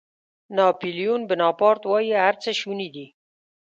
ناپیلیون بناپارټ وایي هر څه شوني دي.